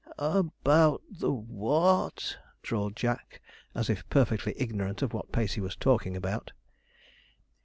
'About the w h a w t?' drawled Jack, as if perfectly ignorant of what Pacey was talking about.